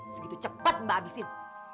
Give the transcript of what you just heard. segitu cepat mbak habisin